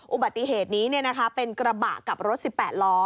อุบัติเหตุนี้เป็นกระบะกับรถ๑๘ล้อ